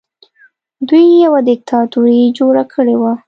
دوی یوه دیکتاتوري جوړه کړې وه